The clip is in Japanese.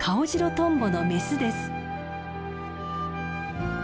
トンボのメスです。